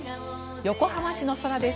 横浜市の空です。